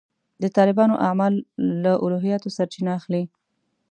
د طالبانو اعمال له الهیاتو سرچینه اخلي.